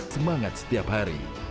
semangat setiap hari